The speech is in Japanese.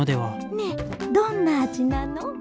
ねえどんな味なの？